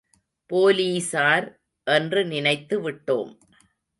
போலீசார் என்று நினைத்து விட்டோம்.